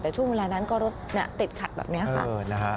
แต่ช่วงเวลานั้นก็รถติดขัดแบบนี้ค่ะ